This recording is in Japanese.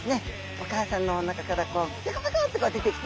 お母さんのお腹からこうピョコピョコッと出てきて。